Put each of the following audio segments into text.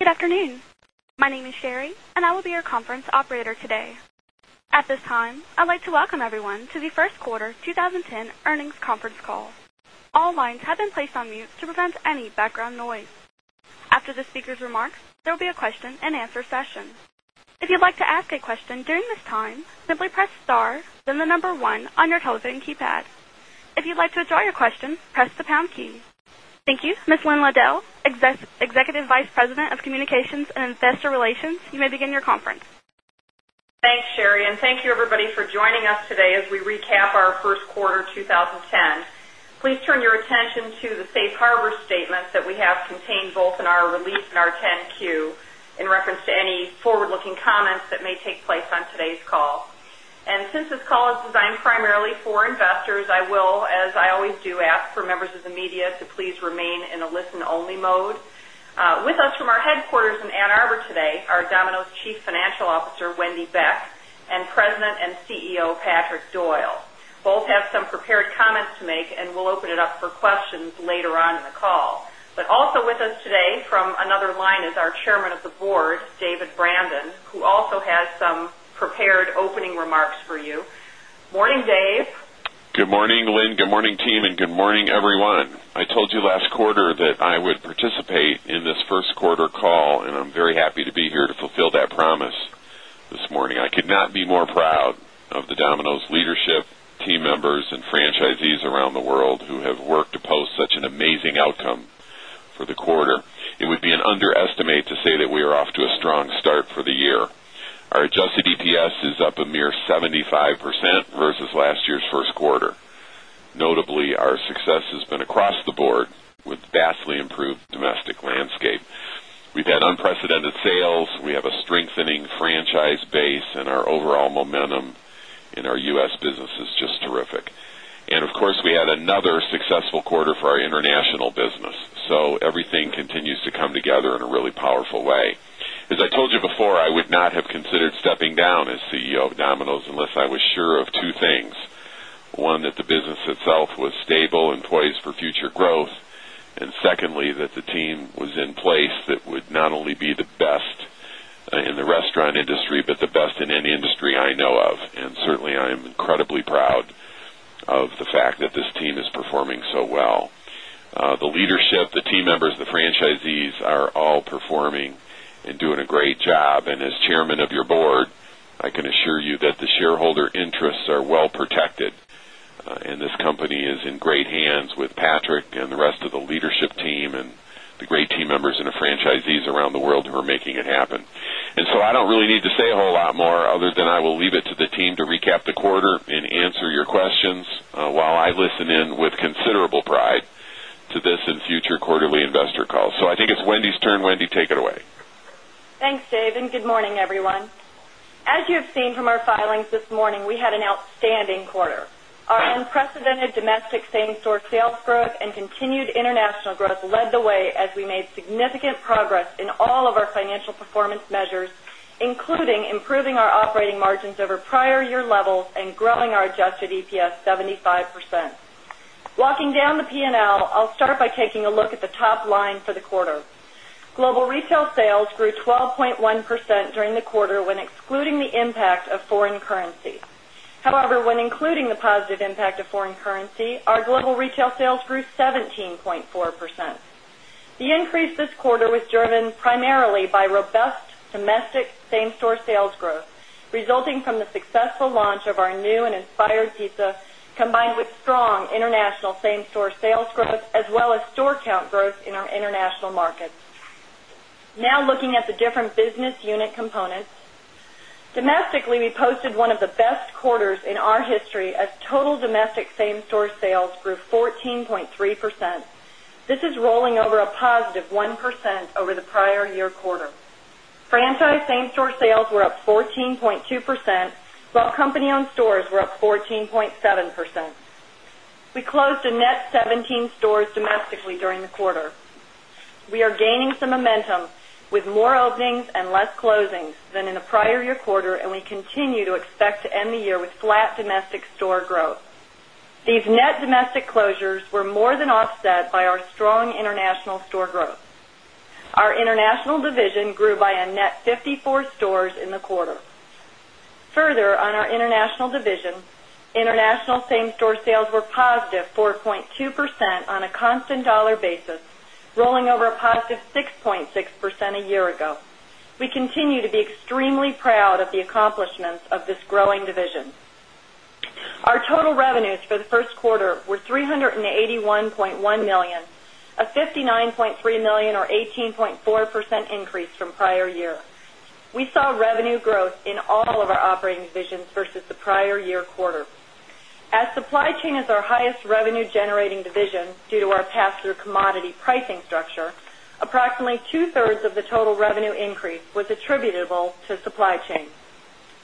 Good afternoon. My name is Sherry, and I will be your conference operator today. At this time, I'd like to welcome everyone to the First Quarter twenty ten Earnings Conference Call. All lines have been placed on mute to prevent any background noise. After the speakers' remarks, there will be a question and answer session. Thank you. Ms. Lynn Laddell, Executive Vice President of Communications and Investor Relations, you may begin your conference. Thanks, Sherry, and thank you everybody for joining us today as we recap our first quarter twenty ten. Please turn your attention to the Safe Harbor statements that we have contained both in our release and our 10 Q in reference to any forward looking comments that may take place on today's call. Since this call is designed primarily for investors, I will, as I always do, ask for members of the media to please remain in a listen only mode. With us from our headquarters in Ann Arbor today are Domino's Chief Financial Officer, Wendy Beck and President and CEO, Patrick Doyle. Both have some prepared comments to make and we'll open it up for questions later on in the call. But also with us today from another line is our Chairman of the Board, David Brandon, who also has some prepared opening remarks for you. Good morning, Dave. Good morning, Lynn. Good morning, team, and good morning, everyone. I told you last quarter that I would participate in this first quarter call, and I'm very happy to be here to fulfill that promise this morning. I could not be more proud of the Domino's leadership, team members and franchisees around the world who have worked to post such an amazing outcome for the quarter. It would be an underestimate to say that we are off to a strong start for the year. Our adjusted EPS is up a mere 75% versus last year's first quarter. Notably, our success has been across the board with vastly improved domestic landscape. We've unprecedented sales. We have a strengthening franchise base and our overall momentum in our U. S. Business is just terrific. And of course, we had another successful quarter for our international business. So everything continues to come together in a really powerful way. As I told you before, I would not have considered stepping down as CEO of Domino's unless I was sure of two things: one, that the business itself was stable and poised for future growth and secondly, that the team was in place that would not only be the best in the restaurant industry, but the best in any industry I know of. And certainly, am incredibly proud of the fact that this team is performing so well. The leadership, the team members, the franchisees are all performing and doing a great job. And as Chairman of your Board, I can assure you that the shareholder interests are well protected. And this company is in great hands with Patrick and the rest of the leadership team and the great team members and the franchisees around the world who are making it happen. And so I don't really need to say a whole lot more other than I will leave it to the team to recap the quarter and answer your questions while I listen in with considerable pride to this in future quarterly investor calls. So I think it's Wendy's turn. Wendy, take it away. Thanks, Dave, and good morning, everyone. As you've seen from our filings this morning, we had an outstanding quarter. Our unprecedented domestic same store sales growth continued international growth led the way as we made significant progress in all of our financial performance measures, including improving our operating margins over prior year levels and growing our adjusted EPS 75%. Walking down the P and L, I'll start by taking a look at the top line for the quarter. Global retail sales grew 12.1% during the quarter when excluding the impact of foreign currency. However, when including the positive impact of foreign currency, our global retail sales grew 17.4%. The increase this quarter was driven primarily by robust domestic same store sales growth, resulting from the successful launch of our new and inspired pizza combined with strong international same store sales growth as well as store count growth in our international markets. Now looking at the different business unit components, domestically we posted one of the best quarters in our history as total domestic same store sales grew 14.3%. This is rolling over a positive 1% over the prior year quarter. Franchise same store sales were up 14.2%, while company owned stores were up 14.7%. We closed a net 17 stores domestically during the quarter. We are gaining some momentum with more openings and less closings than in the prior year quarter and we continue to expect to end the year with flat domestic store growth. These net domestic closures were more than offset by our strong international store growth. Our international division grew by a net 54 stores in the quarter. Further on our international division, international same store sales were positive 4.2% on a constant dollar basis, rolling over a positive 6.6% a year ago. We continue to be extremely proud of the accomplishments of this growing division. Our total revenues for the first quarter were $381,100,000 a $59,300,000 or 18.4% increase from prior year. We saw revenue growth in all of our operating divisions versus the prior year quarter. As supply chain is our highest revenue generating division due to our pass through commodity pricing structure, approximately two thirds of the total revenue increase was attributable to supply chain.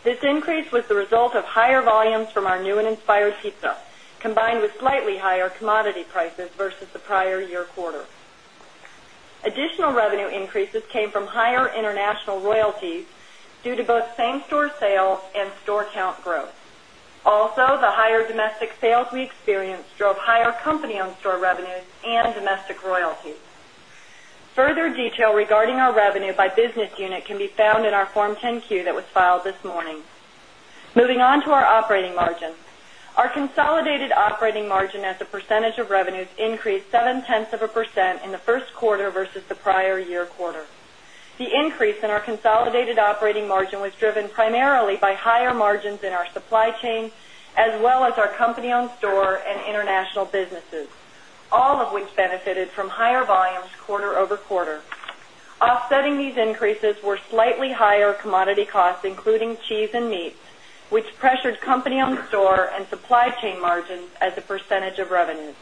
This increase was the result of higher volumes from our new and inspired pizza combined with slightly higher commodity prices versus the prior year quarter. Additional revenue increases came from higher international royalties due to both same store sales and store count growth. Also the higher domestic sales we experienced drove higher company owned store revenues and domestic royalties. Further detail regarding our revenue by business unit can be found in our Form 10 Q that was filed this morning. Moving on to our operating margin. Our consolidated operating margin as a percentage of revenues increased seven tenths of a percent in the first quarter versus the prior year quarter. The increase in our consolidated operating margin was driven primarily by higher margins in our supply chain, as well as our company owned store and international businesses, all of which benefited from higher volumes quarter over quarter. Offsetting these increases were slightly higher commodity costs including cheese and meat, which pressured company owned store and supply chain margins as a percentage of revenue.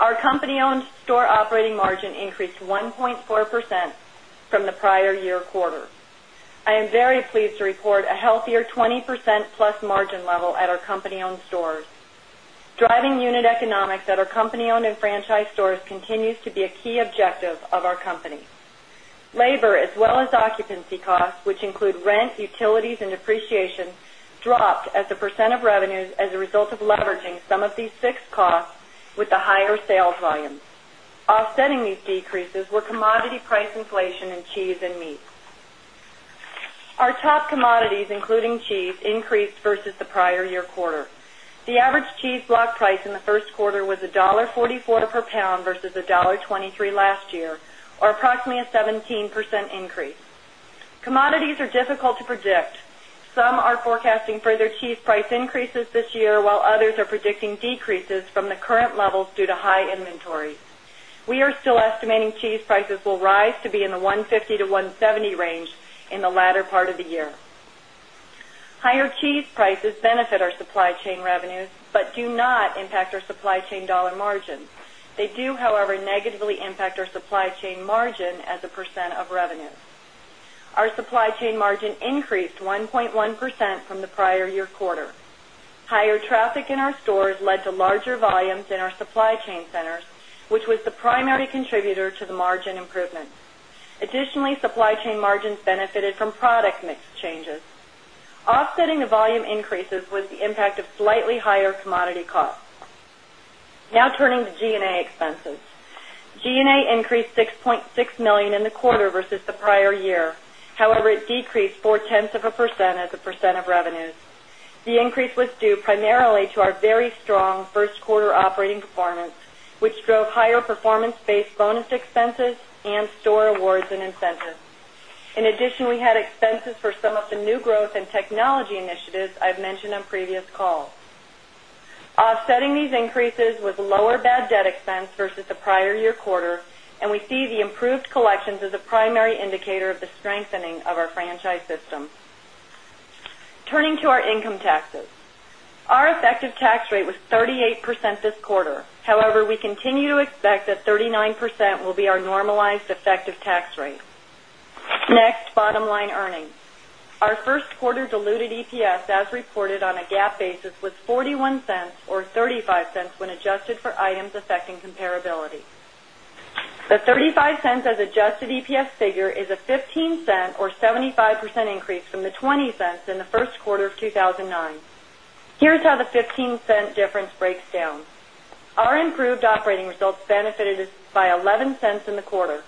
Our company owned store operating margin increased 1.4% from the prior year quarter. I am very pleased to report a healthier 20% plus margin level at our company owned stores. Driving unit economics at our company owned and franchise stores continues to be a key objective of our company. Labor as well as occupancy costs, which include rent, utilities and depreciation dropped as a percent of revenues as a result of leveraging some of these fixed costs with the higher sales volume. Offsetting these decreases were commodity price inflation in cheese and meat. Our top commodities including cheese increased versus the prior year quarter. The average cheese block price in the first quarter was $1.44 per pound versus $1.23 last year or approximately a 17% increase. Commodities are difficult to predict. Some are forecasting further cheese price increases this year while others are predicting decreases from the current levels due to high inventory. We are still estimating cheese prices will rise to be in the 150 to 170 range in the latter part of the year. Higher cheese prices benefit our supply chain revenues, but do not impact our supply chain dollar margin. They do however negatively impact our supply chain margin as a percent of revenue. Our supply chain margin increased 1.1% from the prior year quarter. Higher traffic in our stores led to larger volumes in our supply chain centers, which was the primary contributor to the margin improvement. Additionally, chain margins benefited from product mix changes. Offsetting the volume increases was the impact of slightly higher commodity costs. Now turning to G and A expenses. G and A increased $6,600,000 in the quarter versus the prior year. However, it decreased four tenths of a percent as a percent of revenues. The increase was due primarily to our very strong first quarter operating performance, which drove higher performance based bonus expenses and store awards and incentives. In addition, we had expenses for some of the new growth and technology initiatives I've mentioned on previous calls. Offsetting these increases was lower bad debt expense versus the prior year quarter and we see the improved collections as a primary indicator of the strengthening of our franchise system. Turning to our income taxes. Our effective tax rate was 38% this quarter. However, we continue to expect that 39% will be our normalized effective tax rate. Next bottom line earnings. Our first quarter diluted EPS as reported on a GAAP basis was zero four one dollars or $0.35 when adjusted for items affecting comparability. The $0.35 as adjusted EPS figure is a $0.15 or 75% increase from the $0.20 in the February. Here's how the $0.15 difference breaks down. Our improved operating results benefited by $0.11 in the quarter.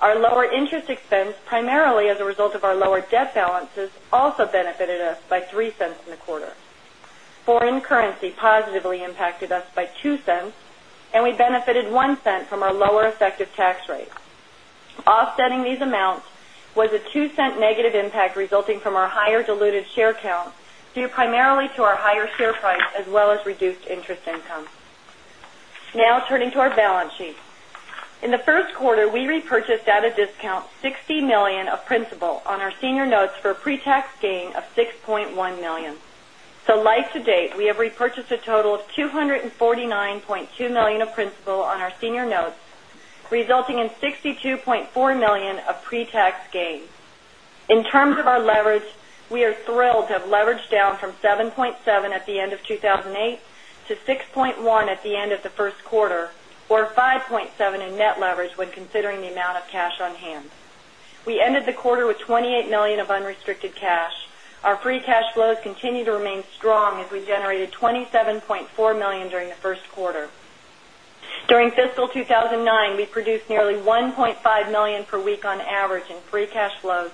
Our lower interest expense primarily as a result of our lower debt balances also benefited us by $03 in the quarter. Foreign currency positively impacted us by zero two dollars and we benefited $01 from our lower effective tax rate. Offsetting these amounts was a $02 negative impact resulting from our higher diluted share count due primarily to our higher share price as well as reduced interest income. Now turning to our balance sheet. In the first quarter, we repurchased at a discount $60,000,000 of principal on our senior notes for pre tax gain of 6,100,000.0 So like to date, we have repurchased a total of 249,200,000.0 of principal on our senior notes, resulting in 62,400,000.0 of pre tax gain. In terms of our leverage, we are thrilled to have leveraged down from 7.7 at the end of 2008 to 6.1 at the end of the first quarter or 5.7 in net leverage when considering ended the quarter with 28,000,000 of unrestricted cash. Our free cash flows continue to remain strong as we generated 27,400,000.0 during the first quarter. During fiscal two thousand and nine, we produced nearly 1,500,000.0 per week on average in free cash flows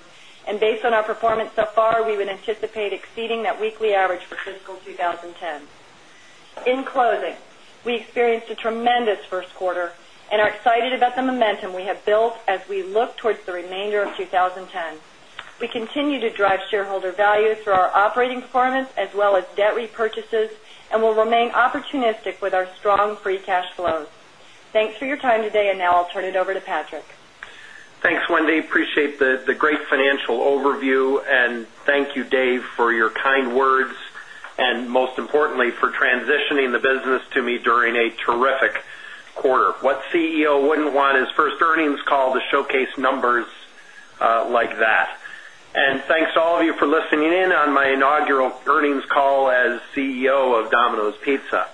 and based on our performance so far, we would anticipate exceeding that weekly average for fiscal twenty ten. In closing, we experienced a tremendous first quarter and are excited about the momentum we have built as we look towards the remainder of 2010. We continue to drive shareholder value through our operating performance as well as debt repurchases and we'll remain opportunistic with our strong free cash flows. Thanks for your time today. And now I'll turn it over to Patrick. Thanks, Wendy. Appreciate the great financial overview. And thank you, Dave, for your kind words and most importantly for transitioning the business to me during a terrific quarter. What CEO wouldn't want is first earnings call to showcase numbers like that. And thanks to all of you for listening in on my inaugural earnings call as CEO of Domino's Pizza.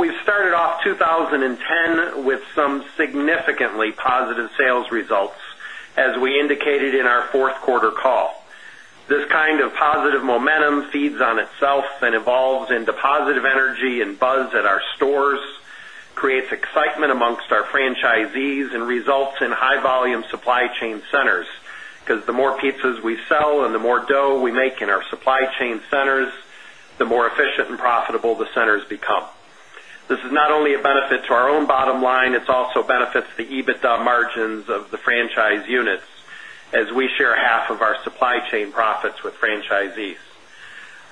We started off 2010 with some significantly positive sales results, as we indicated in our fourth quarter call. This kind of positive momentum feeds on itself and evolves into positive energy and buzz at our stores, creates excitement amongst our franchisees and results in high volume supply chain centers, because the more pizzas we sell and the more dough we make in our supply chain centers, the more efficient and profitable become. This is not only a benefit to our own bottom line, it's also benefits the EBITDA margins of the franchise units as we share half of our supply chain profits with franchisees.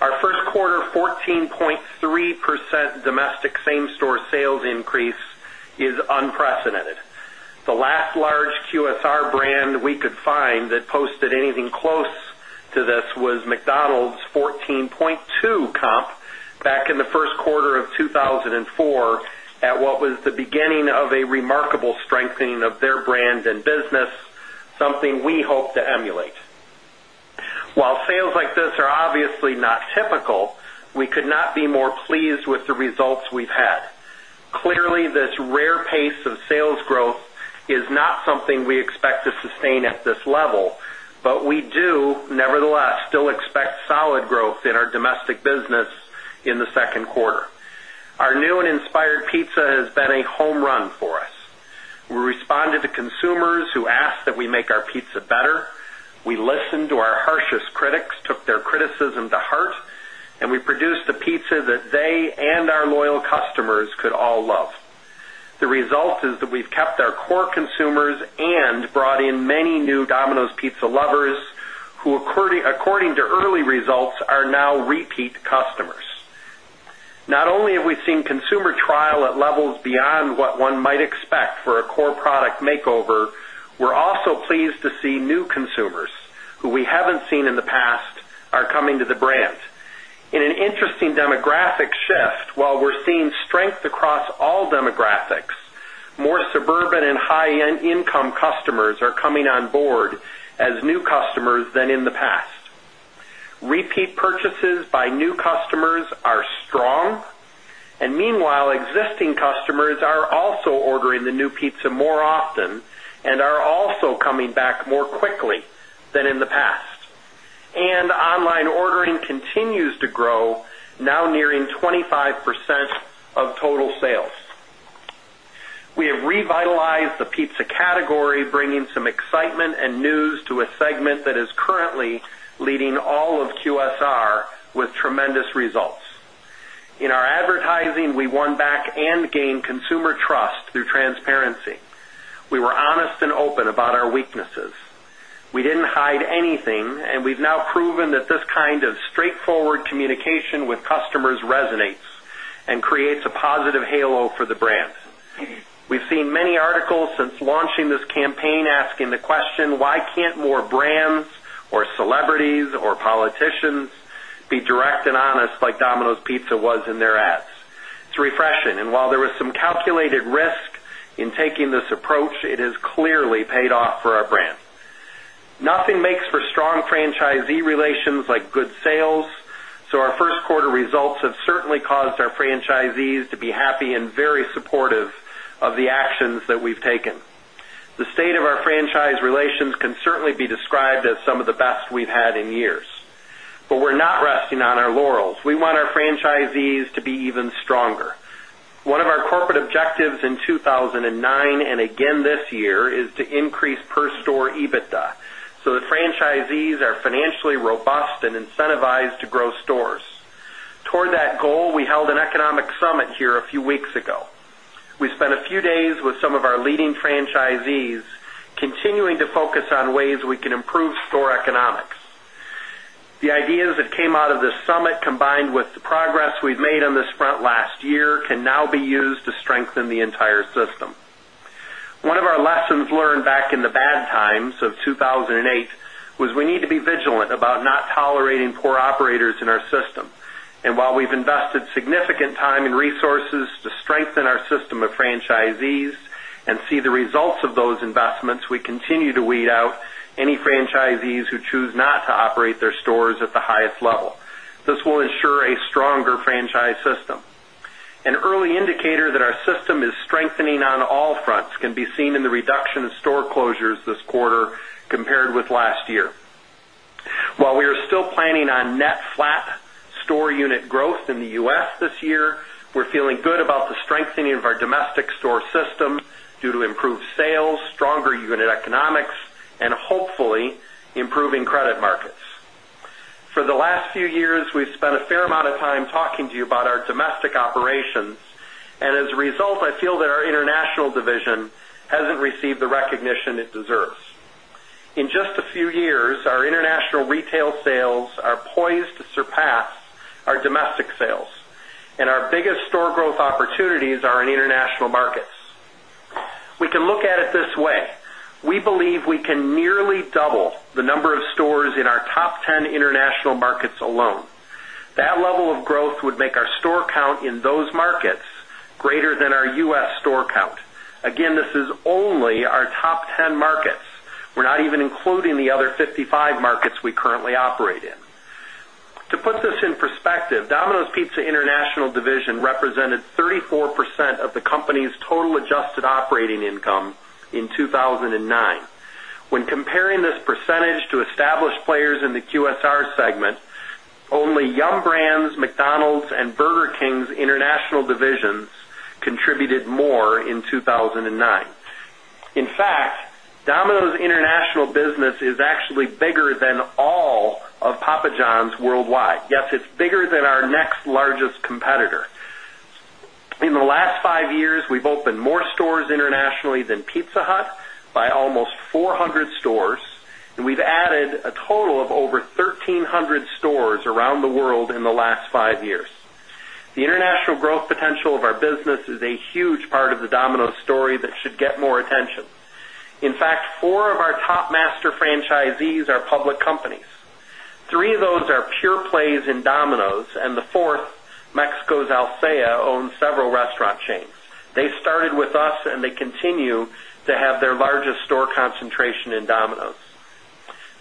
Our first quarter 14.3% domestic same store sales increase is unprecedented. The last large QSR brand we could find that posted anything close to this was McDonald's 14.2% comp back in the February at what was the beginning of a remarkable strengthening of their brand and business, something we hope to emulate. While sales like this are obviously not typical, we could not be more pleased with the results we've had. Clearly, this rare pace of sales growth is not something we expect to sustain at this level, but we do, nevertheless, still expect solid growth in our domestic business in the second quarter. Our new and inspired pizza has been a home run for us. We responded to consumers who asked that we make our pizza better. We listened to our harshest critics took their criticism to heart, and we produced the pizza that they and our loyal customers could all love. The result is that we've kept our core consumers and brought in many new Domino's Pizza lovers, who according according to early results are now repeat customers. Not only have we seen consumer trial at levels beyond what one might expect for a core product makeover, we're also pleased to see new consumers who we haven't seen in the past are coming to the brand. In an interesting demographic shift, while we're seeing strength across all demographics, more suburban and high income customers are coming on board as new customers than in the past. Repeat purchases by new customers are strong. And meanwhile, existing customers are also ordering the new pizza more often and are also coming back more quickly than in the past. And online ordering continues to grow, now nearing 25% of total sales. We have revitalized the pizza category, bringing some excitement and news to a segment that is currently leading all of QSR with tremendous results. In our advertising, we won back and gained consumer trust through transparency. We were honest and open about our weaknesses. We didn't hide anything, and we've now proven that this kind of straightforward communication with customers resonates and creates a positive halo for the brand. We've seen many articles since launching this campaign asking the question, why can't more brands or celebrities or politicians be direct and honest like Domino's Pizza was in their ads? It's refreshing. And while there was some calculated risk in taking this approach, it has clearly paid off for our brand. Nothing makes for strong franchisee relations like good sales. So our first quarter results have certainly caused our franchisees to be happy supportive of the actions that we've taken. The state of our franchise relations can certainly be described as some of the best we've had in years. But we're not resting on our laurels. We want our franchisees to be even stronger. One of our corporate objectives in 2009 and again this year is to increase per store EBITDA, so the franchisees are financially robust and incentivized to grow stores. Toward that goal, we held an economic summit here a few weeks ago. We spent a few days with some of our leading franchisees continuing to focus on ways we can improve store economics. The ideas that came out of this summit combined with the progress we've made on this front last year can now be used to strengthen the entire system. One of our lessons learned back in the bad times of 2008 was we need to be vigilant about not tolerating poor operators in our system. And while we've invested significant time and resources to strengthen our system of franchisees and see the results of those investments, we continue to weed out any franchisees who choose not to operate their stores at the highest level. This will ensure a stronger franchise system. An early indicator that our system is strengthening on all fronts can be seen in the reduction of store closures this quarter compared with last year. While we are still planning on net flat store unit growth in The U. S. This year. We're feeling good about the strengthening of our domestic store system due to improved sales, stronger unit economics and hopefully improving credit markets. For the last few years, we've spent a fair amount of time talking to you about our domestic operations. And as a result, I feel that our international division hasn't received the recognition it deserves. In just a few years, our international retail sales are poised to surpass our domestic sales, and our biggest store growth opportunities are in international markets. We can look at it this way. We believe we can nearly double the number of stores in our top 10 international markets alone. That level of growth would make our store count in those markets greater than our U. S. Store count. Again, this is only our top 10 markets. We're not even including the other 55 markets currently operate in. To put this in perspective, Domino's Pizza International division represented 34% of the company's total adjusted operating income in 02/2009. When comparing this percentage to established players in the QSR segment, only Yum! Brands, McDonald's and Burger King's international divisions contributed more in 02/2009. In fact, Domino's international business is actually bigger than all of Papa John's worldwide. Yes, it's bigger than our next largest competitor. In the last five years, we've opened more stores internationally than Pizza Hut by almost 400 stores, and we've added a total of over 1,300 stores around the world in the last five years. The international growth potential of our business is a huge part of the Domino's story that should get more attention. In fact, four of our top master franchisees are public companies. Three of those are pure plays in Domino's and the fourth Mexico's Alcea owns several restaurant chains. They started with us and they continue to have their largest store concentration in Domino's.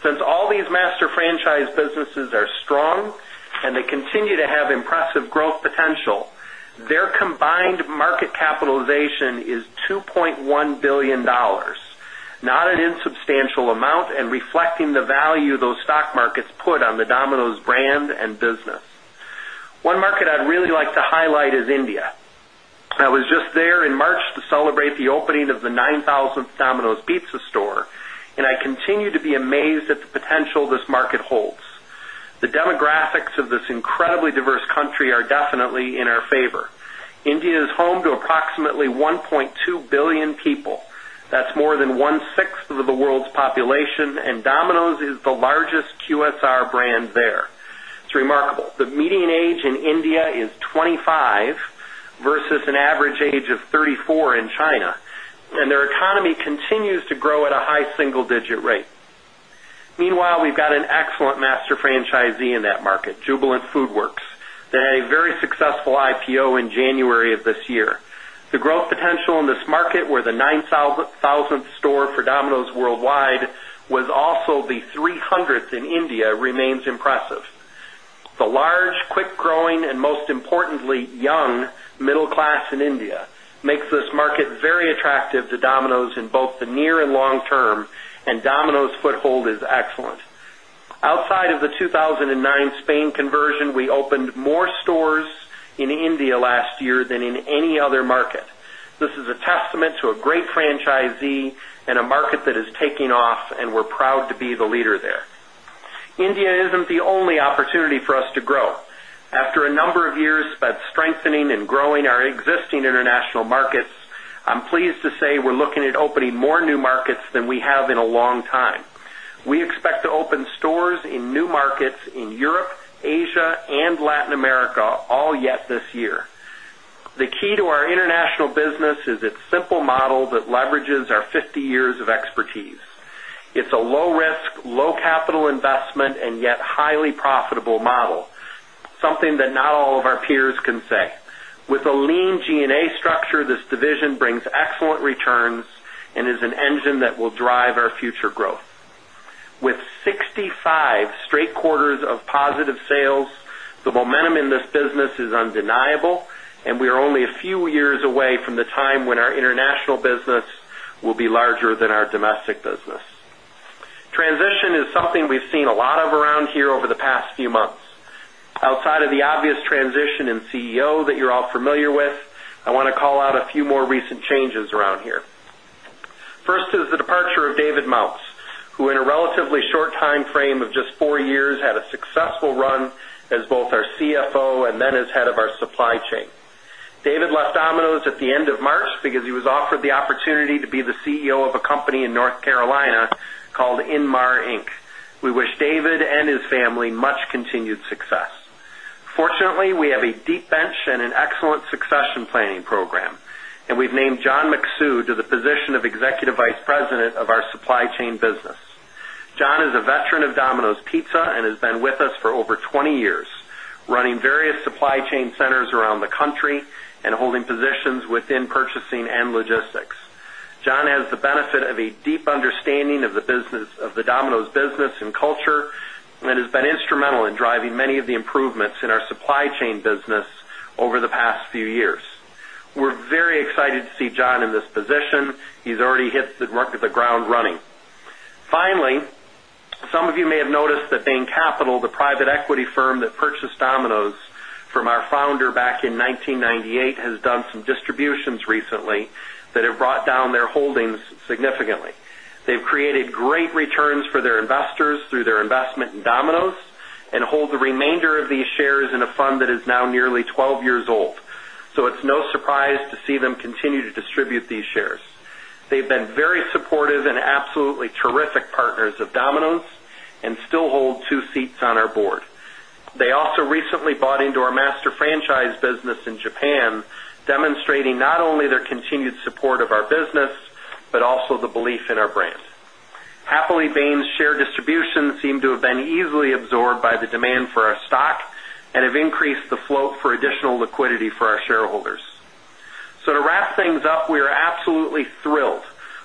Since all these master franchise businesses are strong and they continue to have impressive growth potential, their combined market capitalization is $2,100,000,000 not an insubstantial reflecting the value those stock markets put on the Domino's brand and business. One market I'd really like to highlight is India. I was just there in March to celebrate the opening of the nine thousandth Domino's Pizza store, and I continue to be amazed at the potential this market holds. The demographics of this incredibly diverse country are definitely in our favor. India is home to approximately 1,200,000,000 people. That's more than one sixth of the world's population, and Domino's is the largest QSR brand there. It's remarkable. The median age in India is 25 versus an average age of 34 in China, and their economy continues to grow at a high single digit rate. Meanwhile, we've got an excellent master franchisee in that market, Jubilant FoodWorks, that had a very successful IPO in January of this year. The growth potential in this market where the nine thousandth store for Domino's worldwide was also the three hundredth in India remains impressive. The large, quick growing and most importantly, young middle class in India makes this market very attractive to Domino's in both the near and long term and Domino's foothold is excellent. Outside of the 2009 Spain conversion, we opened more stores in India last year than in any other market. This is a testament to a great franchisee and a market that is taking off, and we're proud to be the leader there. India isn't the only opportunity for us to grow. After a number of years by strengthening and growing our existing international markets, I'm pleased to say we're looking at opening more new markets than we have in a long time. We expect to open stores in new markets in Europe, Asia and Latin America all yet this year. The key to our international business is its simple model that leverages our fifty years of expertise. It's a low risk, low capital investment and yet highly profitable model, something that not all of our peers can say. With a lean G and A structure, this division brings excellent returns and is an engine that will drive our future growth. With sixty five straight quarters of positive sales, the momentum in this business is undeniable, and we are only a few years away from the time when our international business will be larger than our domestic business. Transition is something we've seen a lot of around here over the past few months. Outside of the obvious transition in CEO that you're all familiar with, I want to call out a few more recent changes around here. First is the departure of David Mounts, who in a relatively short timeframe of just four years had a successful run as both our CFO and then as Head of our Supply Chain. David left Domino's at the March because he was offered the opportunity to be the CEO of a company in North Carolina called Inmar Inc. We wish David and his family much continued success. Fortunately, we have a deep bench and an excellent succession planning program, and we've named John McSue to the position of Executive Vice President of our Supply Chain business. John is a veteran of Domino's Pizza and has been with us for over twenty years, running various supply chain centers around the country and holding positions within purchasing and logistics. John has the benefit of a deep understanding of the Domino's business and culture that has been instrumental in driving many of the improvements in our supply chain business over the past few years. We're very excited to see John in this position. He's already hit the ground running. Finally, some of you may have noticed that Bain Capital, the private equity firm that purchased Domino's from our founder back in 1998 has done some distributions recently that have brought down their holdings significantly. They've created great returns for their investors through their investment in Domino's and hold the remainder of these shares in a fund that is now nearly twelve years old. So it's no surprise to see them continue to distribute these shares. They've been very supportive and absolutely terrific partners of Domino's and still hold two seats on our board. They also recently bought into our master franchise business in Japan, demonstrating not only their continued support of our business, but also the belief in our brand. Happily, Bain's share distributions seem to have been easily absorbed by the demand for our stock and have increased the float for additional liquidity for our shareholders. So to wrap things up, we are absolutely thrilled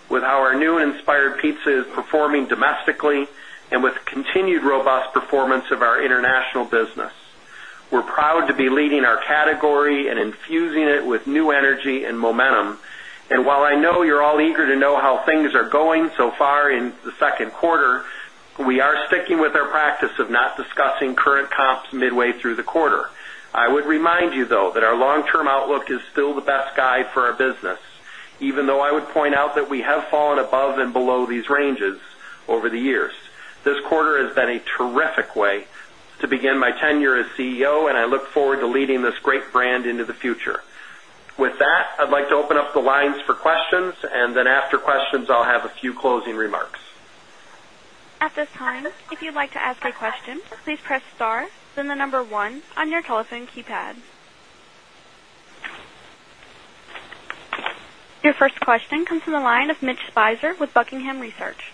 with how our new Inspired Pizza is performing domestically and with continued robust performance of our international business. We're proud to be leading our category and infusing it with new energy and momentum. While And I know you're all eager to know how things are going so far in the second quarter, we are sticking with our practice of not discussing current comps midway through the quarter. I would remind you, though, that our long term outlook is still the best guide for our business, even though I would point out that we have fallen above and below these ranges over the years. This quarter has been a terrific way to begin my tenure as CEO, and I look forward to leading this great brand into the future. With that, I'd like to open up the lines for questions. And then after questions, I'll have a few closing remarks. Your first question comes from the line of Mitch Spicer with Buckingham Research.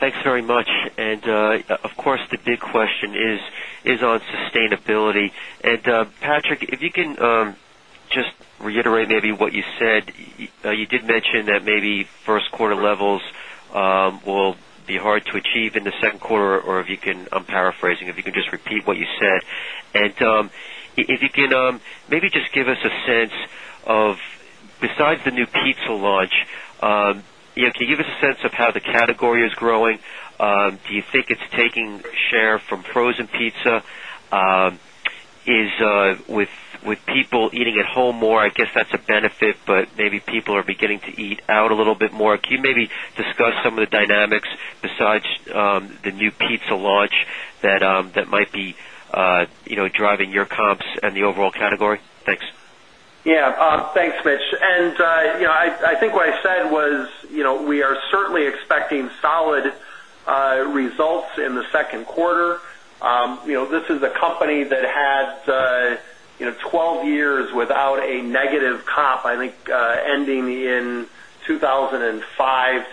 Thanks very much. And of course, the big question is on sustainability. And Patrick, if you can just reiterate maybe what you said. You did mention that maybe first quarter levels will be hard to achieve in the second quarter or if you can I'm paraphrasing, if you can just repeat what you said. And if you can maybe just give us a sense of besides the new pizza launch, can you give us a sense of how the category is growing? Do you think it's taking share from frozen pizza? Is with people eating at home more, I guess that's a benefit, but maybe people are beginning to eat out a little bit more. Can you maybe discuss some of the dynamics besides the new pizza launch that might be driving your comps and the overall category? Thanks. Yes. Thanks, Mitch. And I think what I said was, we are certainly expecting solid results in the second quarter. This is a company that had twelve years without a negative comp, I think, ending in 02/2005,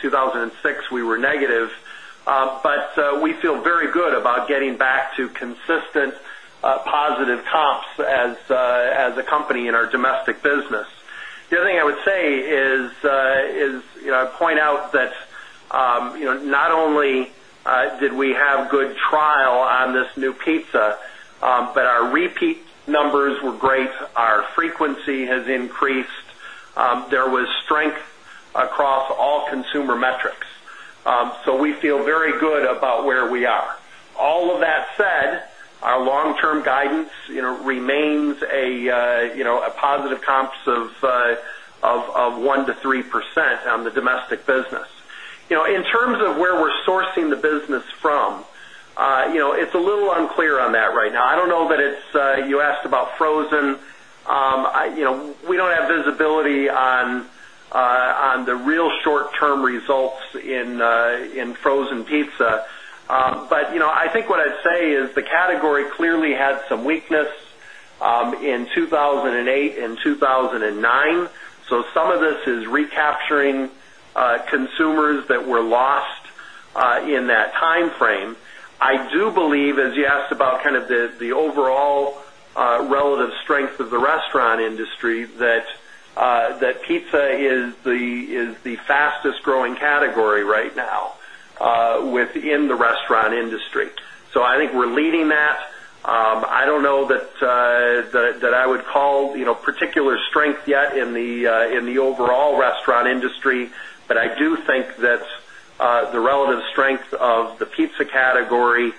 02/2006, we were negative. But we feel very good about getting back to consistent positive comps as a company in our domestic business. The other thing I would say is I'd point out that not only did we have good trial on this new pizza, but our repeat numbers were great. Our frequency has increased. There was strength across all consumer metrics. So we feel very good about where we are. All of that said, our long term guidance remains a positive comps of 1% to 3% on the domestic business. In terms of where we're sourcing the business from, it's a little unclear on that right now. I don't know that it's you asked about frozen. We don't have visibility on the real short term results in frozen pizza. But I think what I'd say is the category clearly had some weakness in 2008 and 02/2009. So some of this is recapturing consumers that were lost in that timeframe. I do believe, as you asked about kind of the overall relative strength of the restaurant industry, that pizza is the fastest growing category right now within the restaurant industry. So I think we're leading that. I don't know that I would particular strength yet in the overall restaurant industry, but I do think that the relative strength of the pizza category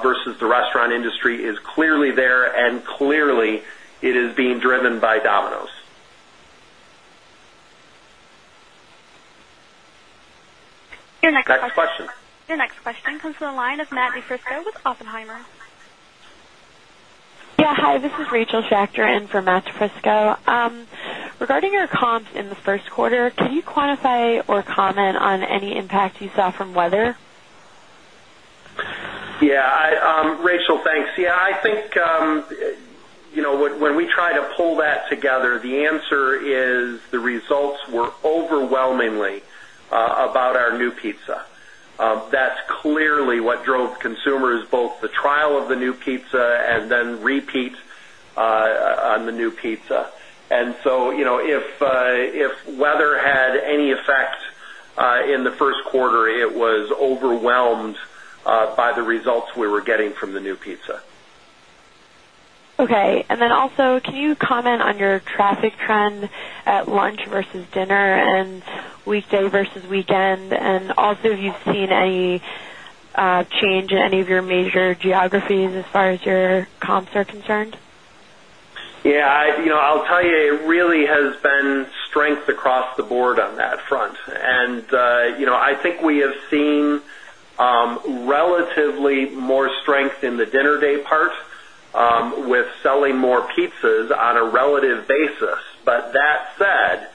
versus the restaurant industry is clearly there. And clearly, it is being driven by Domino's. Next question comes from the line of Matt Frisco with Oppenheimer. This is Rachel Schacter in for Matt DiFrisco. Regarding your comps in the first quarter, can you quantify or comment on any impact you saw from weather? Yes. Rachel, thanks. Think when we try to pull that together, the answer is the results were overwhelmingly about our new pizza. That's clearly what drove consumers both the trial of the new pizza and then repeat on the new pizza. And so if weather had any effect in the first quarter, it was overwhelmed by the results we were getting from the new pizza. Okay. And then also, can you comment on your traffic trend at lunch versus dinner and weekday versus weekend? And also, have you seen any change in any of your major geographies as far as your comps are concerned? Yes. I'll tell you, it really has been strength across the board on that front. And I think we have seen relatively more strength in the dinner day part with selling more pizzas on a relative basis. But that said,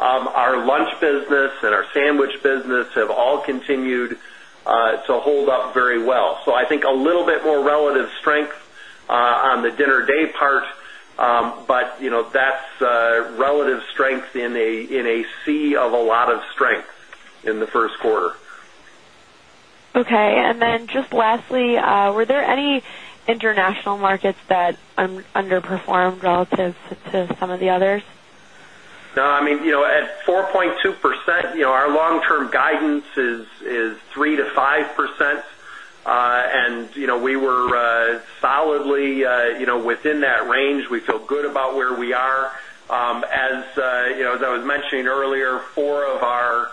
our lunch business and our sandwich business have all continued to hold up very well. So I think a little bit more relative strength on the dinner day part, but that's relative strength in a sea of a lot of strength in the first quarter. Okay. And then just lastly, were there any international markets that underperformed relative to some of the others? No, I mean, at 4%, our long term guidance is 3% to 5%. And we were solidly within that range. We feel good about where we are. As I was mentioning earlier, four of our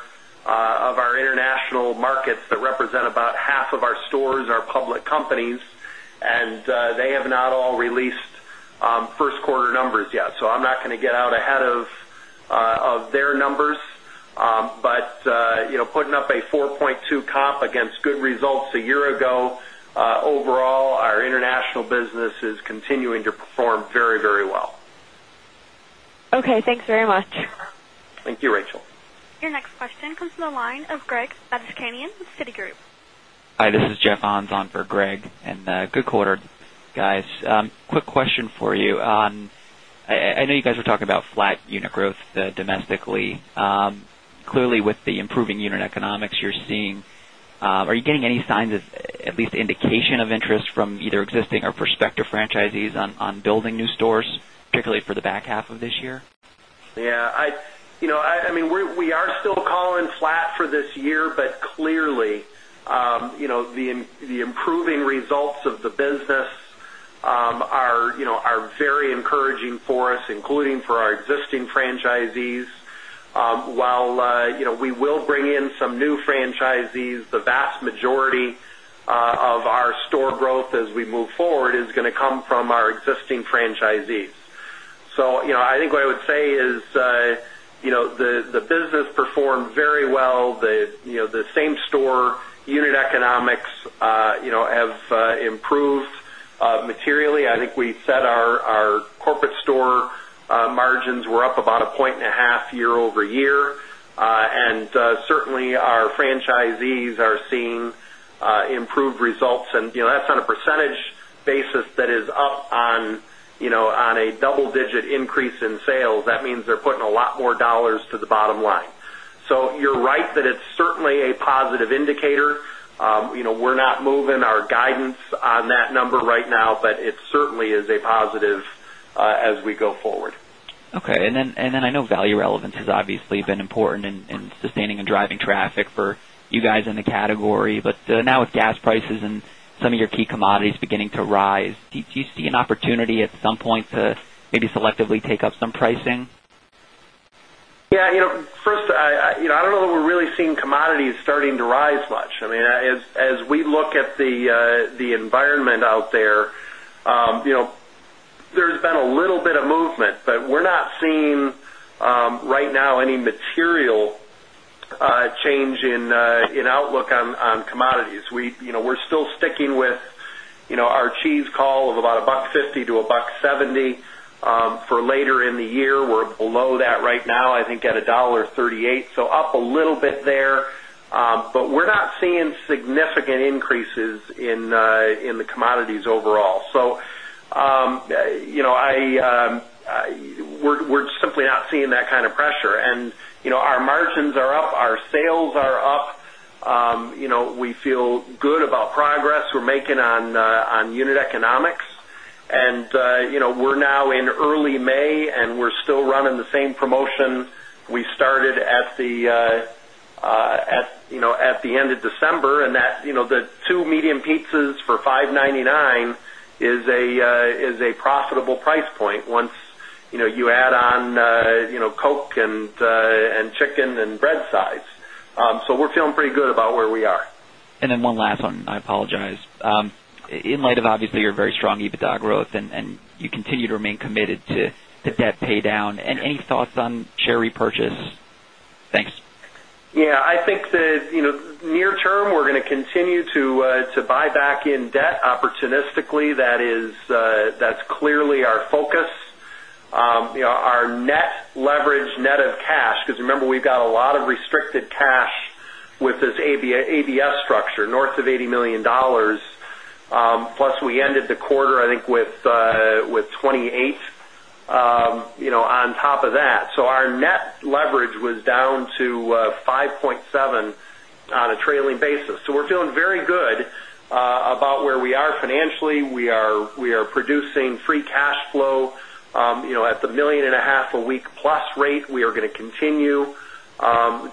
international markets that represent about half of our stores are public companies, and they have not all released first quarter numbers yet. So I'm not going to get out ahead of their numbers. But putting up a 4.2% comp against good results a year ago, overall, our international business is continuing to perform very, very well. Okay. Thanks very much. Thank you, Rachel. Your next question comes from the line of Greg Badishkanian with Citigroup. Hi. This is Jeff Ons on for Greg, and good quarter, guys. Quick question for you on I know you guys were talking about flat unit growth domestically. Clearly, the improving unit economics you're seeing, are you getting any signs of at least indication of interest from either existing or prospective franchisees on building new stores, particularly for the back half of this year? Yes. I mean, we are still calling flat for this year, but clearly, the improving results of the business are very encouraging for us, including for our existing franchisees. While we will bring in some new franchisees, the vast majority of our store growth as we move forward is going to come from our existing franchisees. So I think what I would say is the business performed very well. The same store unit economics have improved materially. I think we said our corporate store margins were up about 1% year over year. And certainly, our franchisees are seeing improved results. And that's on a percentage basis that is up on a double digit increase in sales. That means they're putting a lot more dollars to the bottom line. So you're right that it's certainly a positive indicator. We're not moving our guidance on that number right now, but it certainly is a positive as we go forward. Okay. And then I know value relevance has obviously been important in sustaining and driving traffic for you guys in the category. But now with gas prices and some of your key commodities beginning to rise, do you see an opportunity at some point to maybe selectively take up some pricing? Yes. First, I don't know that we're really commodities starting to rise much. I mean, as we look at the environment out there, there's been a little bit of movement, but we're not seeing right now any material change in outlook on commodities. We're still sticking with our cheese call of about 1.5 to $1.7 for later in the year. We're below that right now, I think, at $1.38 so up a little bit there. But we're not seeing significant increases in the commodities overall. So we're simply not seeing that kind of pressure. And our margins are up, our sales are up. We feel good about progress we're making on unit economics. And we're now in early May, and we're still running the same promotion we started at the December. And that the two medium pizzas for $5.99 is a profitable price point once you add on Coke and chicken and bread sides. So we're feeling pretty good about where we are. And then one last one, I apologize. In light of, obviously, your very strong EBITDA growth and you continue to remain committed to debt pay down, any thoughts on share repurchase? Yes. I think the near term, we're going to continue to buy back in debt opportunistically. That is that's clearly our focus. Our net leverage net of cash because remember, we've got a lot of restricted cash with this ABS structure north of $80,000,000 plus we ended the quarter, I think, with $28,000,000 on top of that. So our net leverage was down to 5.7 on a trailing basis. So we're feeling very good about where we are financially. We are producing free cash flow at the 1,000,000 point dollars a week plus rate. We are going to continue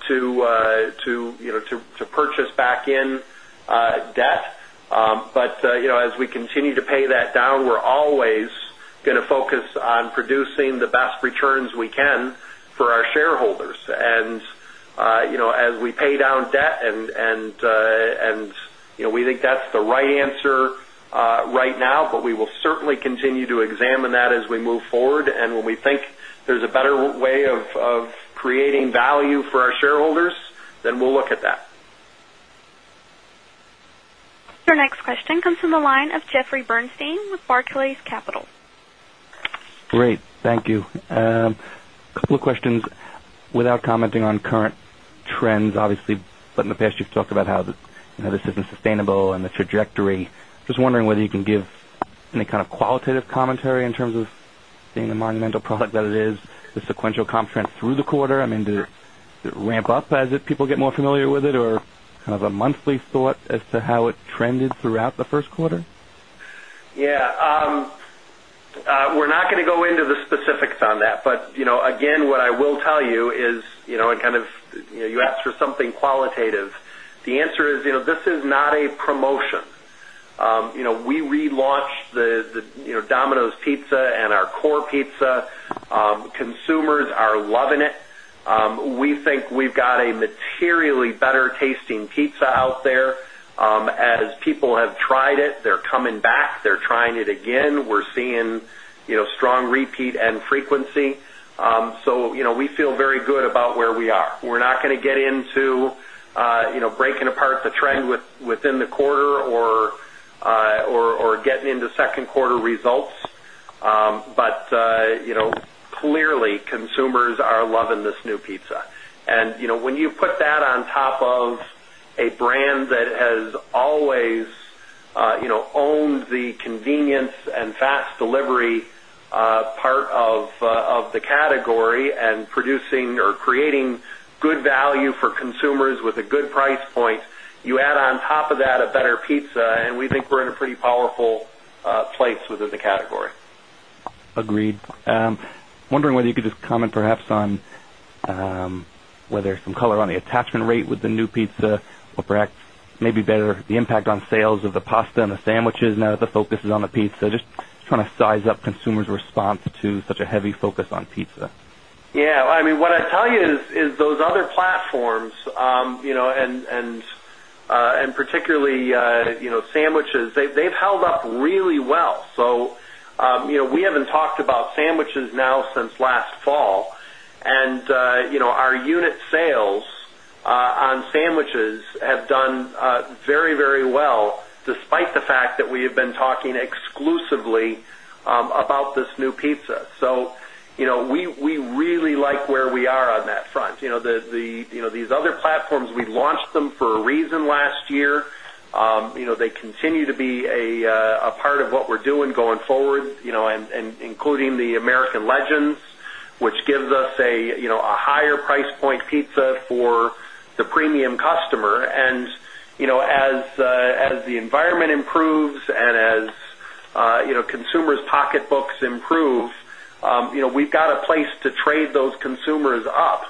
to purchase back in debt. But as we continue to pay that down, we're always going to focus on producing the best returns we can for our shareholders. And as we pay down debt and we think that's the right answer right now, but we will certainly continue to examine that as we move forward. And when we think there's a better way of creating value for our shareholders, then we'll look at that. Your next question comes from the line of Jeffrey Bernstein with Barclays Capital. Great. Thank you. Couple of questions. Without commenting on current trends, obviously, but in the past, you've talked about how this isn't sustainable and the trajectory. Just wondering whether you can give any kind of qualitative commentary in terms of seeing the Monumental product that it is, the sequential comp trends through the quarter. I mean, does ramp up as if people get more familiar with it or kind of a monthly thought as to how it trended throughout the first quarter? Yes. We're not going to go into the specifics on that. But again, what I will tell you is, and kind of you asked for something qualitative. The answer is, this is not a promotion. We relaunched Domino's Pizza and our core pizza. Consumers are loving it. We think we've got a materially better tasting pizza out there. As people have tried it, they're coming back, they're trying it again. We're seeing strong repeat and frequency. So we feel very good about where we are. We're not going to get into breaking apart the trend within the quarter or getting into second quarter results. But clearly, are loving this new pizza. And when you put that on top of a brand that has always owned the convenience and fast delivery part of the category and producing or creating good value for consumers with a good price point, you add on top of that a better pizza, and we think we're in a pretty powerful place within the category. Agreed. Wondering whether you could just comment perhaps on whether some color on the attachment rate with the new pizza or perhaps maybe better the impact on sales of the pasta and the sandwiches now that the focus is on the pizza. Just trying to size up consumers' response to such a heavy focus on pizza. Yes. I mean, what I'd tell you is those other platforms and particularly sandwiches, they've held up really well. So we haven't talked about sandwiches now since last fall. And our unit sales on sandwiches have done very, very well despite the fact that we have talking exclusively about this new pizza. So we really like where we are on that front. These other platforms, we launched them for a reason last year. They continue to be a part of what we're doing going forward, including the American legends, which gives us a higher price point pizza for the premium customer. And as the environment improves and as consumers' pocketbooks improve, we've got a place to trade those consumers up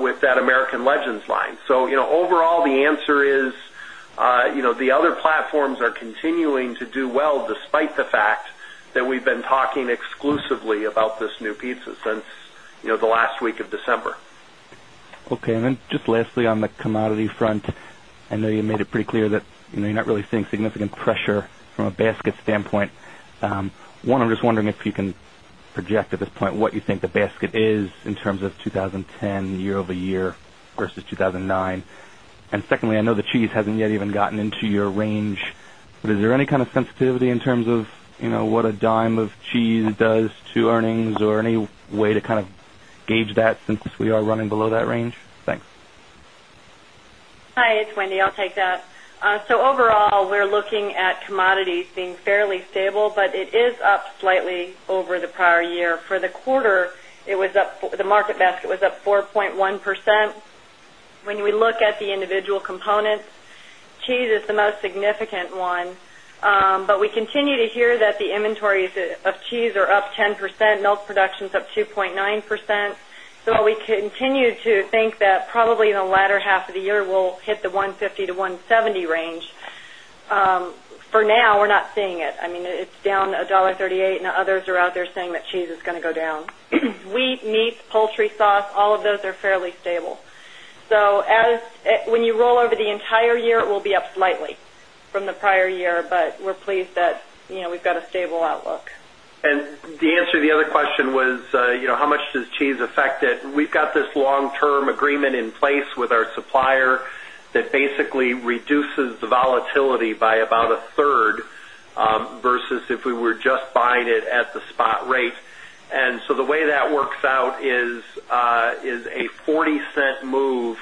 with that American Legends line. So overall, the answer is the other platforms are continuing to do well despite the fact that we've been talking exclusively about this new pizza since the December. Okay. And then just lastly on the commodity front. I know you made it pretty clear that you're not really seeing significant pressure from a basket standpoint. One, I'm just wondering if you can project at this point what you think the basket is in terms of twenty ten year over year versus 2,009? And secondly, know the cheese hasn't yet even gotten into your range, but is there any kind of sensitivity in terms of what a dime of cheese does to earnings or any way to kind of gauge that since we are running below that range? Thanks. Hi, it's Wendy. I'll take that. So overall, we're looking at commodities being fairly stable, but it is up slightly over the prior year. For the quarter, it was up the market basket was up 4.1%. When we look at the individual components, cheese is the most significant one. But we continue to hear that the inventories of cheese are up 10%, milk production is up 2.9%. So we continue to think that probably in the latter half of the year we'll hit the 150 to 170 range. For now, we're not seeing it. I mean, it's down $1.38 and others are out there saying that cheese is going to go down. Wheat, meat, poultry sauce, all of those are fairly stable. So as when you roll over the entire year, it will be up slightly from the prior year, but we're pleased that we've got a stable outlook. And the answer to the other question was, how much does cheese affect it? We've got this long term agreement in place with our supplier that basically reduces the volatility by about onethree versus if we were just buying it at the spot rate. And so the way that works out is a $0.40 move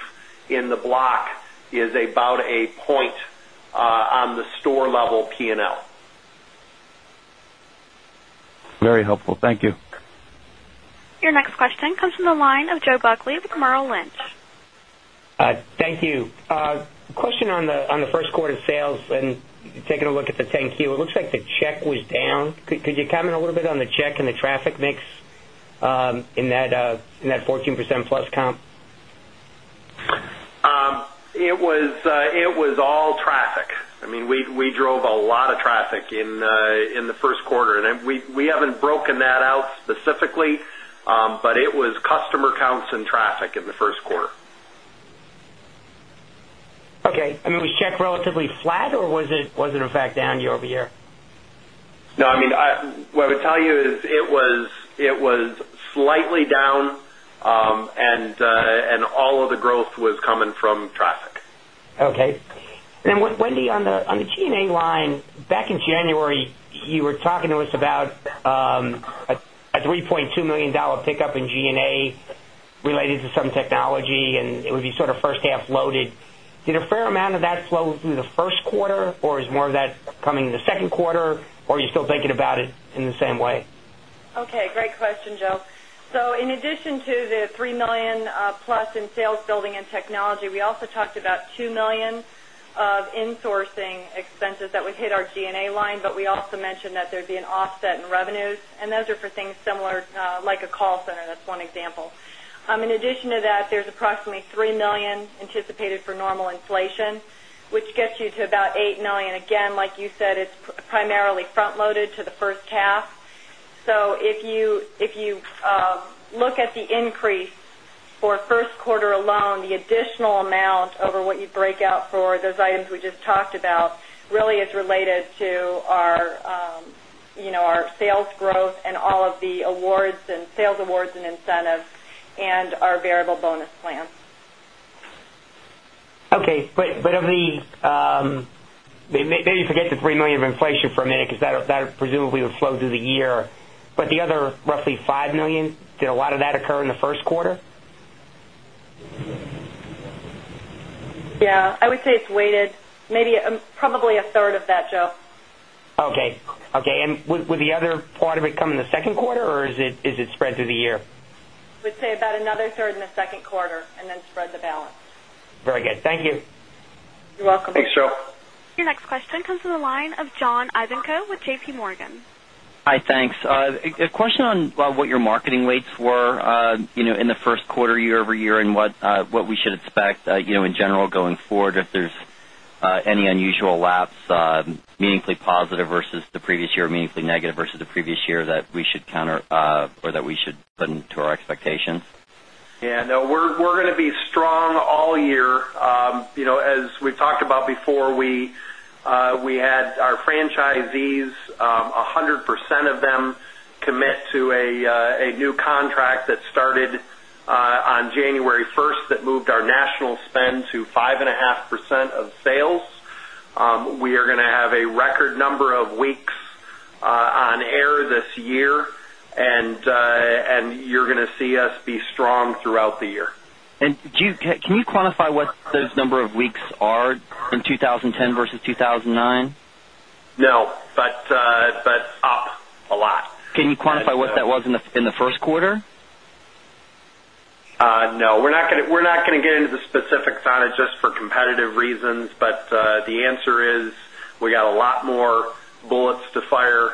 in the block is about a point on the store level P and L. Very helpful. Thank you. Your next question comes from the line of Joe Buckley with Camaro Lynch. Thank you. Question on the first quarter sales and taking a look at the 10 Q, it looks like the check was down. Could you comment a little bit on the check and the traffic mix in that 14% plus comp? It was all traffic. I mean, we drove a lot of traffic in the first quarter. And we haven't broken that out specifically, but it was customer counts and traffic in the first quarter. Okay. I mean, was check relatively flat? Or was it, in fact, down year over year? No. I mean what I would tell you is it was slightly down, and all of the growth was coming from traffic. Okay. Then Wendy, on the G and A line, back in January, you were talking to us about a $3,200,000 pickup in G and A related to some technology, and it would be sort of first half loaded. Did a fair amount of that flow through the first quarter? Or is more of that coming in the second quarter or you're still thinking about it in the same way? Okay, great question, Joe. So in addition to the $3,000,000 plus in sales building and technology, we also talked about 2,000,000 of in sourcing expenses that would hit our G and A line, but we also mentioned that there'd be an offset in revenues. And those are for things similar like a call center, that's one example. In addition to that, there's approximately $3,000,000 anticipated for normal inflation, which gets you to about $8,000,000 Again, like you said, it's primarily front loaded to the first half. So if you look at the increase for first quarter alone, the additional amount over what you break out for those items we just talked about really is related to our sales growth and all of the awards and sales awards and incentives and our variable bonus plan. Okay. But of the maybe forget the $3,000,000 of inflation for a minute because that presumably would flow through the year, but the other roughly $5,000,000 did a lot of that occur in the first quarter? Yes, I would say it's weighted, maybe probably a third of that, Joe. Okay. And would the other part of it come in the second quarter or is it spread through the year? We'd say about another third in the second quarter and then spread the balance. Very good. Thank you. You're welcome. Thanks, Joe. Your next question comes from the line of Jon Ivankoe with JPMorgan. Hi, thanks. A question on what your marketing rates were in the first quarter year over year and what we should expect in general going forward if there's any unusual lapse meaningfully positive versus the previous year meaningfully negative versus the previous year that we should counter or that we should put into our expectations? Yes. No, we're going to be strong all year. As we've talked about before, had our franchisees, 100% of them commit to a new contract that started on January 1 that moved our national spend to 5.5% of sales. We are going to have a record number of weeks on air this year, and you're going to see us be strong throughout the year. And do you can you quantify what those number of weeks are No, in 2010 versus 2000 and but up a lot. You quantify what that was in the first quarter? No, we're not to get into the specifics on it just for competitive reasons. But the answer is we got a lot more bullets to fire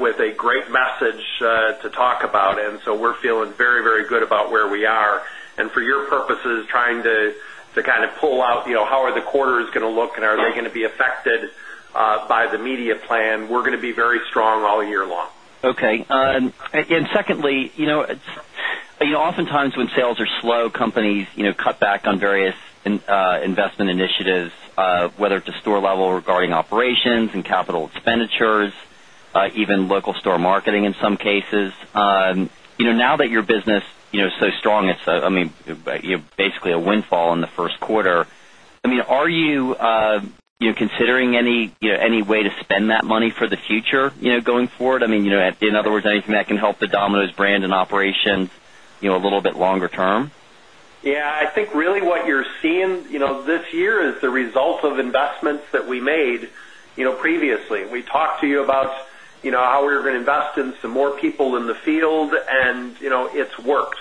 with a great message to talk about. And so we're feeling very, very good about where we are. And for your purposes, trying to kind of pull out how are the quarters going to look and are they going to be affected by the media plan, we're going to be very strong all year long. Okay. And secondly, oftentimes when sales are slow, companies cut back on various investment initiatives, whether at the store level regarding operations and capital expenditures, even local store marketing in some cases. Now that your business is so strong, it's I mean, basically a windfall in the first quarter. I mean, are considering any way to spend that money for the future going forward? I mean, in other words, anything that can help the Domino's brand and operations a little bit longer term? Yes. I think really what you're seeing this year is the result of investments that we made previously. We talked to you about how we're going to invest in some more people in the field, and it's worked.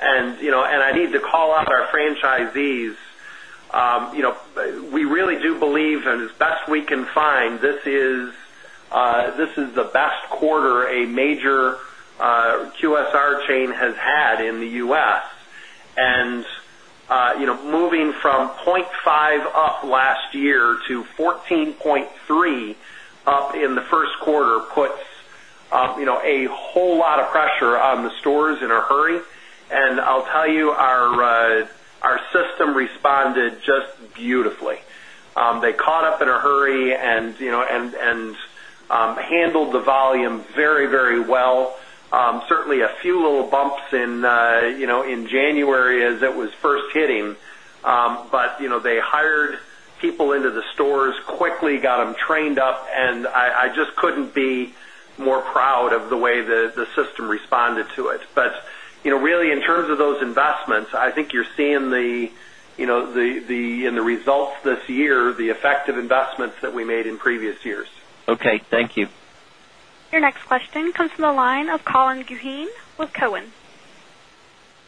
And I need to call out our franchisees. We really do believe, as best we can find, is the best quarter a major QSR chain has had in The U. S. And moving from 0.5 up last year to 14.3 up in the first quarter puts a whole lot of pressure on the stores in a hurry. And I'll tell you, our system responded just beautifully. They caught up in a hurry and handled the volume very, very well. Certainly, few little bumps in January as that was first hitting, But they hired people into the stores, quickly got them trained up, and I just couldn't be more proud of the way the system responded to it. But really in terms of those investments, I think you're seeing in the results this year, the effective investments that we made in previous years. Okay. Thank you. Your next question comes from the line of Colin Guheen with Cowen.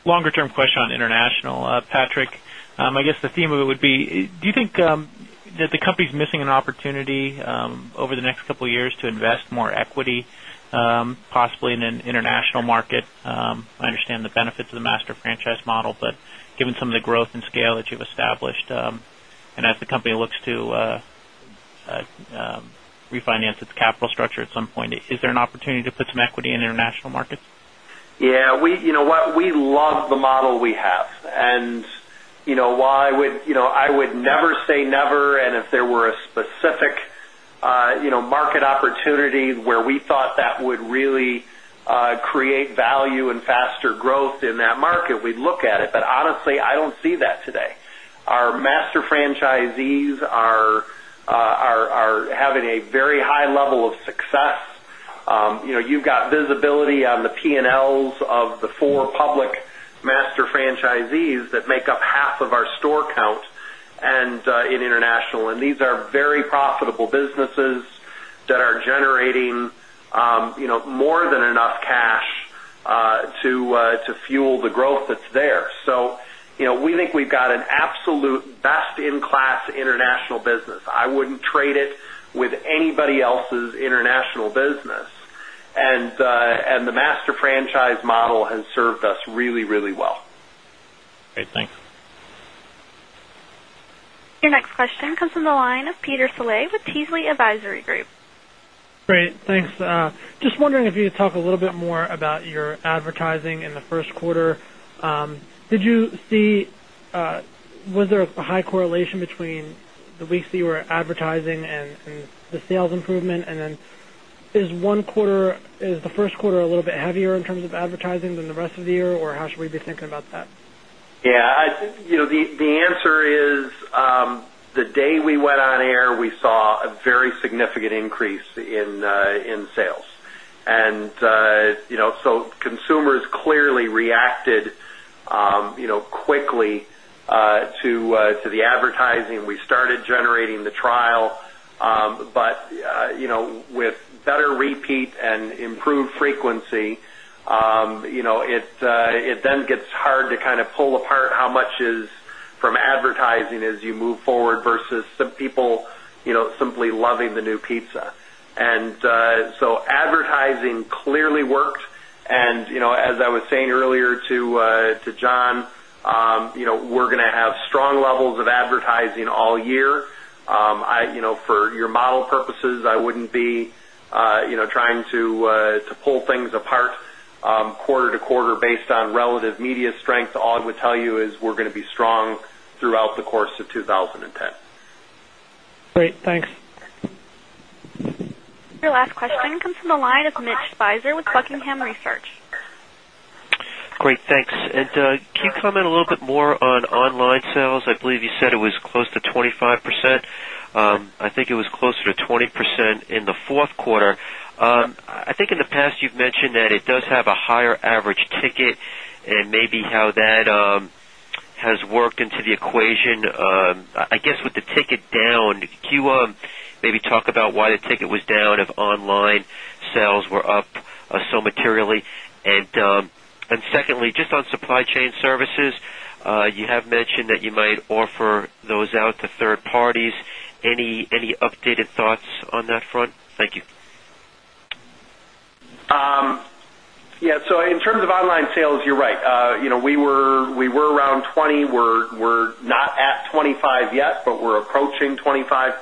Longer term question on international, Patrick. I guess the theme of it would be, do you think that the company is missing an opportunity over the next couple of years to invest more equity possibly in an international market? I understand benefits of the master franchise model, but given some of the growth and scale that you've established and as the company looks to refinance its capital structure at some point, is there an opportunity to put some equity in international markets? Yes. We love the model we have. And why I would never say never. And if there were a specific market opportunity where we thought that would really create value and faster growth in that market, we'd look at it. But honestly, I don't see that today. Our master franchisees are having a very high level of success. You've got visibility on the P and Ls of the four public master franchisees that make up half of our store count and in international. And these are very profitable businesses that are generating more than enough cash to fuel the growth that's there. So we think we've got an absolute best in class international business. I wouldn't trade it with anybody else's else's international business. And the master franchise model has served us really, really well. Your next question comes from the line of Peter Saleh with Teasley Advisory Group. Great, thanks. Just wondering if you could talk a little bit more about your advertising in the first quarter. Did you see was there a high correlation between the weeks that you were advertising and the sales improvement? And then is one quarter is the first quarter a little bit heavier in terms of advertising than the rest of the year? Or how should we be thinking about that? Yes. The answer is the day we went on air, we saw a very significant increase in sales. And so consumers clearly reacted quickly to the advertising. We started generating the trial. But with better repeat and improved frequency, it then gets hard to kind of pull apart how much is from advertising as you move forward versus some people simply loving the new pizza. And so advertising clearly worked. And as I was saying earlier to John, we're going to have strong levels of advertising all year. For your model purposes, I wouldn't be trying to pull things apart quarter to quarter based on relative media strength. All I would tell you is we're going to be strong throughout the course of 2010. Great. Thanks. Your last question comes from the line of Mitch Spicer with Buckingham Research. Great. Thanks. And can you comment a little bit more on online sales? I believe you said it was close to 25%. I think it was closer to 20% in the fourth quarter. I think in the past you've mentioned that it does have a higher average ticket and maybe how that has worked into the equation. I guess with the ticket down, can you maybe talk about why the ticket was down if online sales were up so materially? And secondly, just on Supply Chain Services, you have mentioned that you might offer those out to third parties. Any updated thoughts on that front? Yes. So in terms of online sales, you're right. We were around 20%. We're not at 25% yet, but we're approaching 25.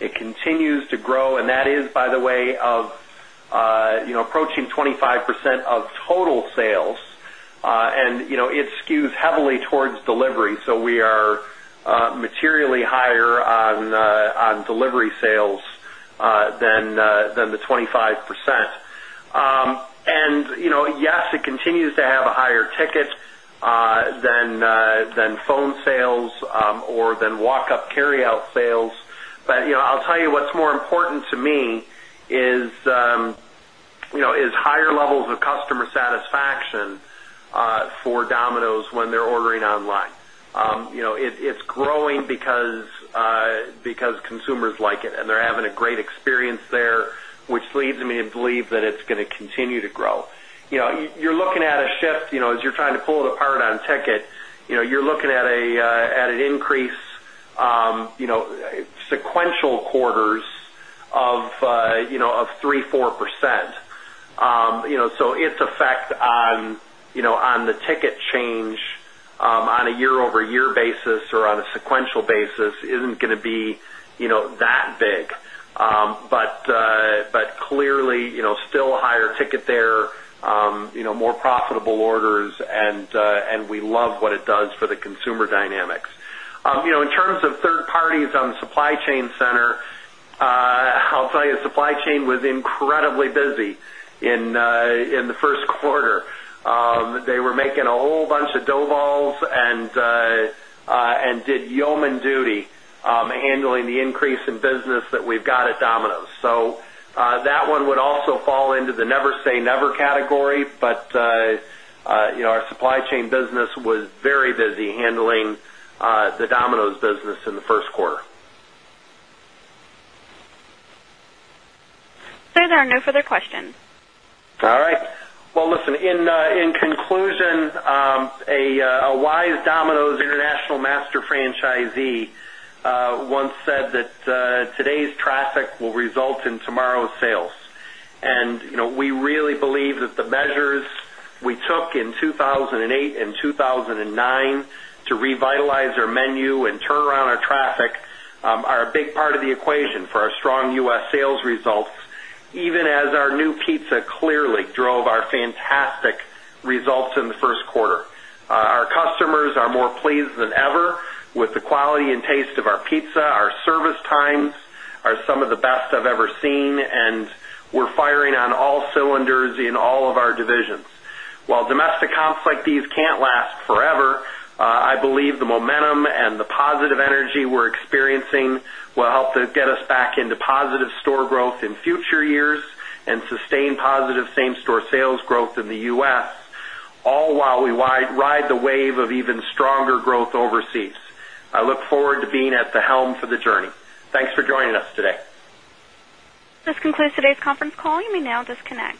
It continues to grow. And that is, by the way, of approaching 25% of total sales. And it skews heavily towards delivery. So we are materially higher on delivery sales than the 25%. And yes, it continues to have a higher ticket than phone sales or than walk up carryout sales. But I'll tell you what's more important to me is higher levels of customer satisfaction for Domino's when they're ordering online. It's growing because consumers like it and they're having a great experience there, which leads me to believe that it's going to continue to grow. You're looking at a shift as you're trying to pull it apart on ticket, you're looking at an increase sequential quarters of 3%, 4%. So its effect on the ticket change on a year over year basis or on a sequential basis isn't going to be that big. But clearly, still higher ticket there, more profitable orders and we love what it does for the consumer dynamics. In terms of third parties on the supply chain center, I'll tell you, supply chain was incredibly busy in the first quarter. They were making a whole bunch of dough balls and did yeoman duty handling the increase in business that we've got at Domino's. So that one would also fall into the never say never category, but our supply chain business was very busy handling the Domino's business in the first quarter. Sir, there are no further questions. All right. Well, listen, in conclusion, a wise Domino's international master franchisee once said that today's traffic will result in tomorrow's sales. And we really believe that the measures we took in 2008 and 2009 to revitalize our menu and turn around our traffic are a big part of the equation for our strong U. S. Sales results even as our new pizza clearly drove our fantastic results in the first quarter. Our customers are more pleased than ever with the quality and taste of our pizza. Our service times are some of the best I've ever seen, and we're firing on all cylinders in all of our divisions. While domestic comps like these can't last forever, I believe the momentum and the positive energy we're experiencing will help get us back into positive store growth in future years and sustain positive same store sales growth in The U. S, all while we ride the wave of even stronger growth overseas. I look forward to being at the helm for the journey. Thanks for joining us today. This concludes today's conference call. You may now disconnect.